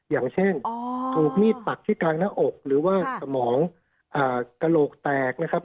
อย่างเช่นถูกมีดปักที่กลางหน้าอกหรือว่าสมองกระโหลกแตกนะครับ